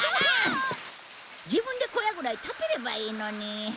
自分で小屋ぐらい建てればいいのに。